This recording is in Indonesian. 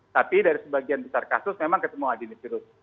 tapi dari sebagian besar kasus memang ketemu adenovirus